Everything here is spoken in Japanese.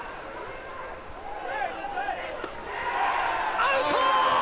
アウト！